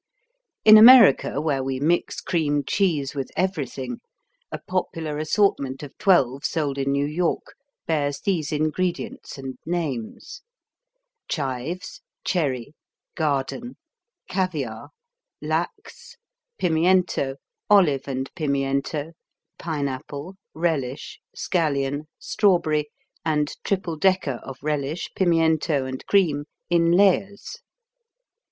In America, where we mix cream cheese with everything, a popular assortment of twelve sold in New York bears these ingredients and names: Chives, Cherry, Garden, Caviar, Lachs, Pimiento, Olive and Pimiento, Pineapple, Relish, Scallion, Strawberry, and Triple Decker of Relish, Pimiento and Cream in layers.